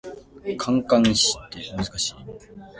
感嘆詞って難しい